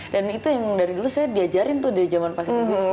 dan itu yang dari dulu saya diajarin tuh di zaman pak siru bisik